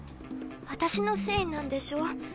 私のせいなんでしょ？